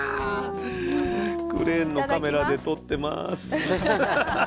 クレーンのカメラで撮ってます。